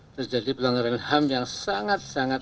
terjadi pelanggaran ham yang sangat sangat